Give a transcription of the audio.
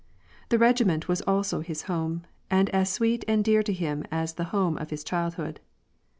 The regiment was also his home, and as sweet and dear to him as the home of his childhood.